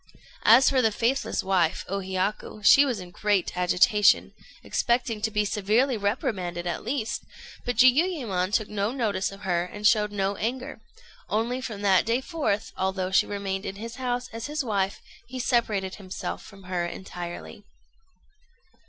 As for the faithless wife, O Hiyaku, she was in great agitation, expecting to be severely reprimanded at least; but Jiuyémon took no notice of her, and showed no anger; only from that day forth, although she remained in his house as his wife, he separated himself from her entirely.